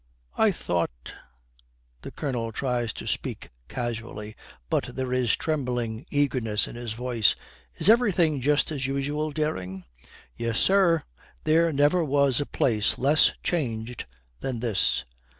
I thought ' The Colonel tries to speak casually, but there is a trembling eagerness in his voice. 'Is everything just as usual, Dering?' 'Yes, sir. There never were a place less changed than this.'